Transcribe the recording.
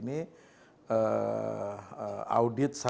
audit syariah maupun audit kemampuan